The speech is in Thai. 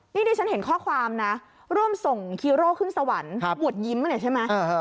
นี่ดิฉันเห็นข้อความนะร่วมส่งฮีโร่ขึ้นสวรรค์หมวดยิ้มเนี่ยใช่ไหม